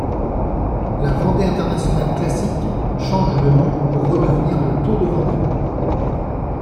La Vendée International Classic change de nom pour redevenir le Tour de Vendée.